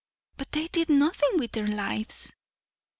"But they did nothing with their lives."